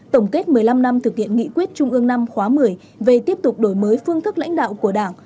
tổng kết một mươi năm năm thực hiện nghị quyết trung ương năm khóa một mươi về tiếp tục đổi mới phương thức lãnh đạo của đảng